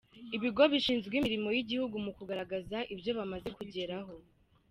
Ibigo bishinzwe imirimo yigihugu mu kugaragaza ibyo bamaze kugeraho